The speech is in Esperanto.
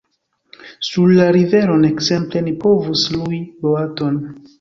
Sur la riveron, ekzemple, ni povus lui boaton.